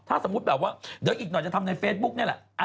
ถ้าสมมุติแบบว่าเดี๋ยวอีกหน่อยจะทำในเฟซบุ๊กนี่แหละ